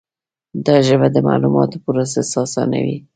دا ژبه د معلوماتو پروسس آسانوي.